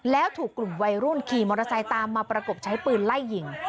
แล้วถูกกลุ่มวัยรุ่นขี่มอเตอร์ไซค์ตามมาประกบใช้ปืนไล่ยิง